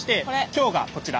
今日がこちら。